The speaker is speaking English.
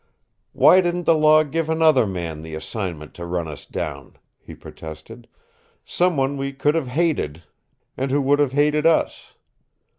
"Why didn't the Law give another man the assignment to run us down," he protested. "Someone we could have hated, and who would have hated us!